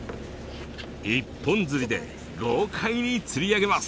一本釣りで豪快に釣り上げます。